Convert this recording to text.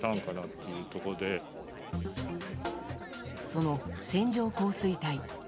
その、線状降水帯。